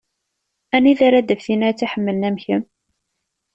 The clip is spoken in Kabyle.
Anida ara d-taf tin ara tt-iḥemmlen am kemm?